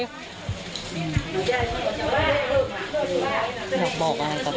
หลังจากผู้ชมไปฟังเสียงแม่น้องชมไป